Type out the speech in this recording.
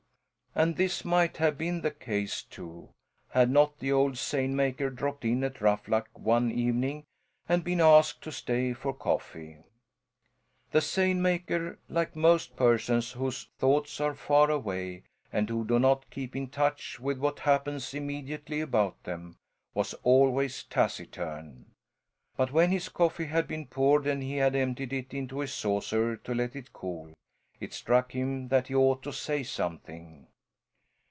And this might have been the case, too, had not the old seine maker dropped in at Ruffluck one evening and been asked to stay for coffee. The seine maker, like most persons whose thoughts are far away and who do not keep in touch with what happens immediately about them, was always taciturn. But when his coffee had been poured and he had emptied it into his saucer, to let it cool, it struck him that he ought to say something.